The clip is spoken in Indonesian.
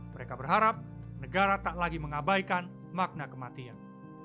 mereka berharap negara tak lagi mengabaikan makna kematian